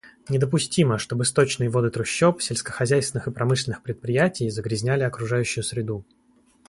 Недопустимо, чтобы сточные воды трущоб, сельскохозяйственных и промышленных предприятий загрязняли окружающую среду.